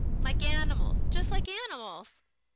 Like animals! Just like animals."